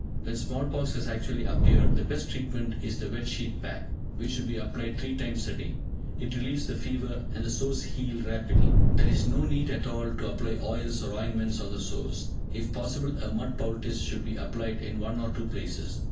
When small pox has actually appeared, the best treatment is the "Wet Sheet Pack", which should be applied three times a day. It relieves the fever, and the sores heal rapidly. There is no need at all to apply oils or ointments on the sores. If possible, a mud poultice should be applied in one or two places.